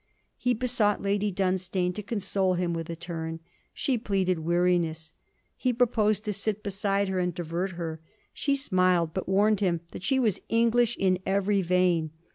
He besought Lady Dunstane to console him with a turn. She pleaded weariness. He proposed to sit beside her and divert her. She smiled, but warned him that she was English in every vein.